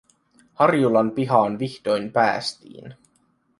Harjulan pihaan vihdoin päästiin.